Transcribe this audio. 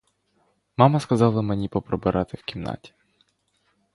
Мама сказала мені поприбирати в кімнаті.